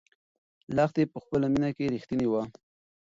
لښتې په خپله مینه کې رښتینې وه.